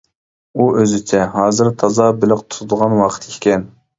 ئۇ ئۆزىچە: ھازىر تازا بېلىق تۇتىدىغان ۋاقىت ئىكەن.